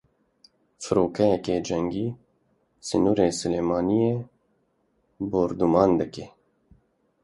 Firokeyeke cengî sînorê Silêmaniyê bordûman dike.